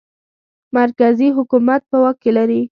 مرکزي حکومت په واک کې لري.